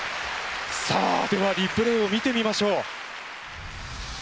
さあではリプレイを見てみましょう。